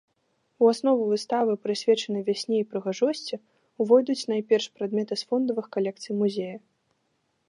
У аснову выставы, прысвечанай вясне і прыгажосці, увойдуць найперш прадметы з фондавых калекцый музея.